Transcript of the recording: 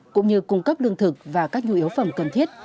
cũng như cung cấp lương thực và các nhu yếu phẩm cần thiết